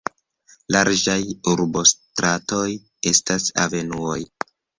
Larĝaj urbostratoj estas avenuoj.